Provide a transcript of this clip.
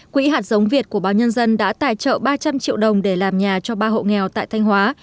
quỹ hạt giống việt của báo nhân dân đã tài trợ ba trăm linh triệu đồng để làm nhà cho ba hộ nghèo tại thanh hóa